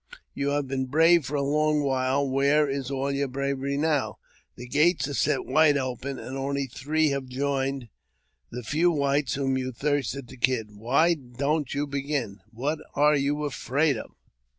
You have been brave for long while ; where is all your bravery now ? The gates are t wide open, and only three have joined the few whites whom you thirsted to kill ; why don't you begin ? What are ou afraid of?"